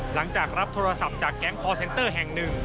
หลังจากรับโทรศัพท์จากแก๊งคอร์เซนเตอร์แห่งหนึ่ง